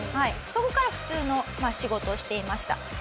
そこから普通の仕事をしていました。